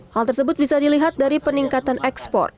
hal tersebut bisa dilihat dari peningkatan ekspor